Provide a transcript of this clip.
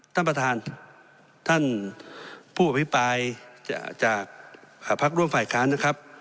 ท่านประธานท่านผู้อภิปรายจากพักร่วมฝ่ายค้านนะครับ